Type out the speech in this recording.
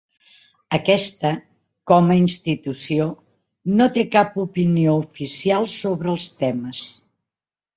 Aquesta, com a institució, no té cap opinió oficial sobre els temes.